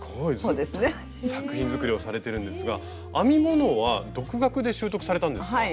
作品作りをされてるんですが編み物は独学で習得されたんですか？